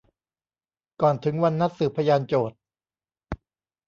ก่อนถึงวันนัดสืบพยานโจทก์